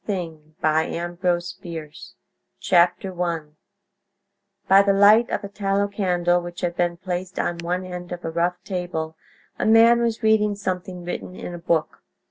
Putnam's Sons Contents I II III IV I By THE light of a tallow candle, which had been placed on one end of a rough table, a man was reading something written in a book.